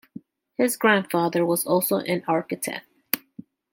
His grandfather was also an architect.